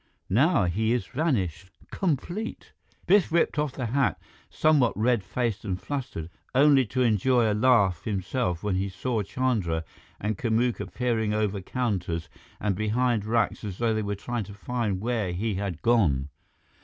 Now he is vanished. Complete." Biff whipped off the hat, somewhat red faced and flustered, only to enjoy a laugh himself when he saw Chandra and Kamuka peering over counters and behind racks as though they were trying to find where he had gone.